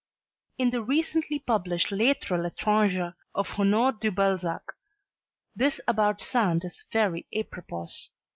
In the recently published "Lettres a l'etrangere" of Honore de Balzac, this about Sand is very apropos.